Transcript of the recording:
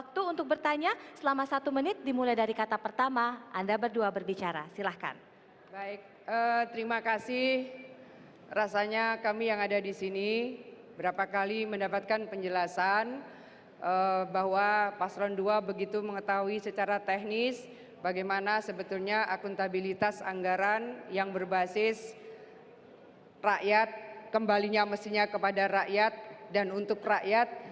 terima kasih rasanya kami yang ada di sini berapa kali mendapatkan penjelasan bahwa pasron ii begitu mengetahui secara teknis bagaimana sebetulnya akuntabilitas anggaran yang berbasis rakyat kembalinya mestinya kepada rakyat dan untuk rakyat